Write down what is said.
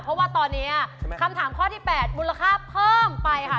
เพราะว่าตอนนี้คำถามข้อที่๘มูลค่าเพิ่มไปค่ะ